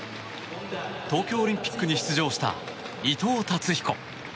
東京オリンピックに出場した伊藤達彦。